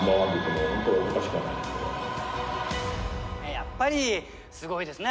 やっぱりすごいですね。